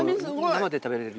生で食べれる。